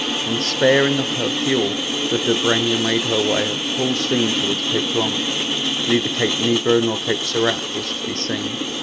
Unsparing of her fuel, the Dobryna made her way at full steam towards Cape Blanc. Neither Cape Negro nor Cape Serrat was to be seen.